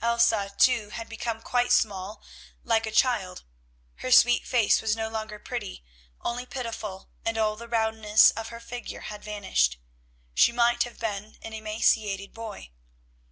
Elsa too had become quite small, like a child. Her sweet face was no longer pretty, only pitiful, and all the roundness of her figure had vanished—she might have been an emaciated boy.